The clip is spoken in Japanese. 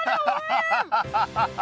アハハハ！